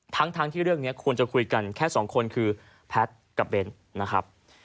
ทั้งที่เรื่องนี้ควรจะคุยกันแค่สองคนคือแพทย์กับเบนนะครับ